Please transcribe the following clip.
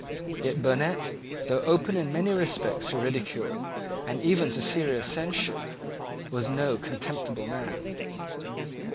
Yet Burnet, though open in many respects to ridicule, and even to serious censure, was no contemptible man.